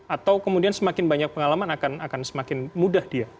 atau kemudian semakin banyak pengalaman akan semakin mudah dia